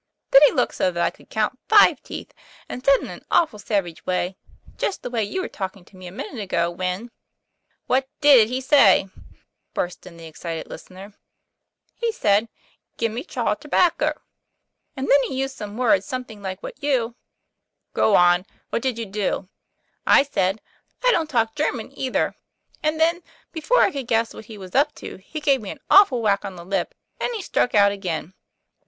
Then he looked so that I could count five teeth, and said in an awful savage way just the way you were talk ing to me a minute ago, when "" What did he say ?' burst in the excited listener. "He said 'Gimme chaw terbacker.' And then he used some words something like what you "" Go on what did you do? ' "I said, 'I don't talk German either,' and then before I could guess what he was up to he gave me an awful whack on the lip, and he struck out again.